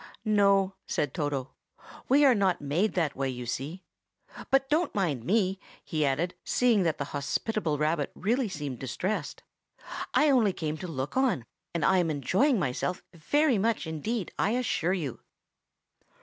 "No," said Toto. "We are not made that way, you see. But don't mind me," he added, seeing that the hospitable rabbit seemed really distressed. "I only came to look on, and I am enjoying myself very much indeed, I assure you."